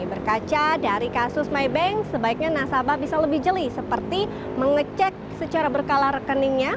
berkaca dari kasus mybank sebaiknya nasabah bisa lebih jeli seperti mengecek secara berkala rekeningnya